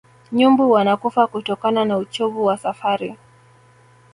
nyumbu wanakufa kutokana na uchovu wa safari